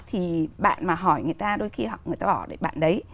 thì bạn mà hỏi người ta đôi khi họ bỏ bạn đấy